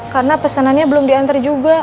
karena pesenannya belum diantar juga